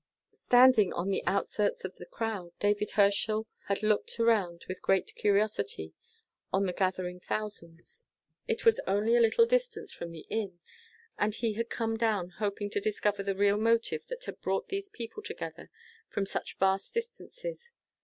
Standing on the outskirts of the crowd, David Herschel had looked around with great curiosity on the gathering thousands. It was only a little distance from the inn, and he had come down hoping to discover the real motive that had brought these people together from such vast distances.